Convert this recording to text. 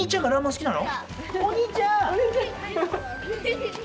好きなの？